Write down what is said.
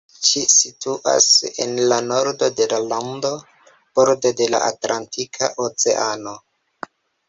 Ĉi situas en la nordo de la lando, borde de la Atlantika Oceano.